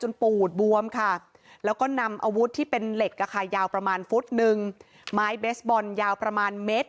นี่นี่นี่นี่นี่นี่นี่